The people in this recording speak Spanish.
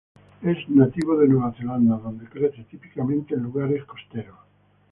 Es nativo de Nueva Zelanda, donde crece típicamente en lugares costeros.